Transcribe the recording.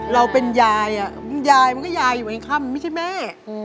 เราเป็นยายยายมันก็ยายอยู่เองค่ำไม่ใช่แม่